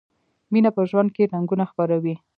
مینه په ژوند کې رنګونه خپروي.